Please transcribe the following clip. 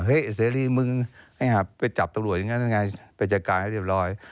เฮ้เสร็จริงมึงไปจับตำรวจอย่างนั้นไปจัดการให้เรียบร้อย